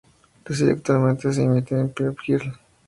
La serie actualmente se emite en Pop Girl.